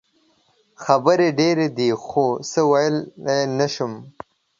خبرې ډېرې دي خو څه ویلې نه شم.